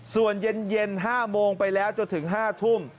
ส่วนเย็น๕โมงไปแล้วจนถึง๕ทุ่ม